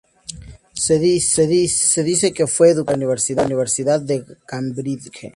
Se dice que fue educado en la Universidad de Cambridge.